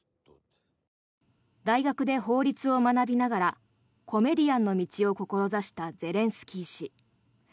大学で法律を学びながらコメディアンの道を志したゼレンスキー氏。